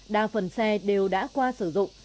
đa phần xe đều đã qua sử dụng